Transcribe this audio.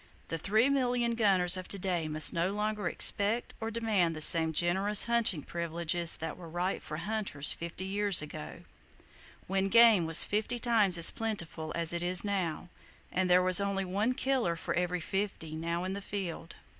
The three million gunners of to day must no longer expect or demand the same generous hunting privileges that were right for hunters fifty years ago, when game was fifty times as plentiful as it is now and there was only one killer for every fifty now in the field.